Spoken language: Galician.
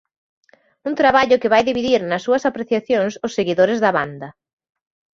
Un traballo que vai dividir nas súas apreciacións os seguidores da banda.